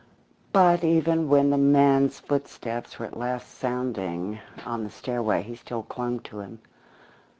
But even when the man's footsteps were at last sounding on the stairway, he still clung to him.